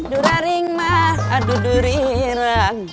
duraring mah adu durirang